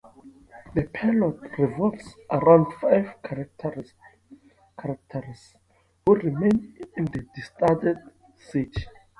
The plot revolves around five characters who remain in the deserted city.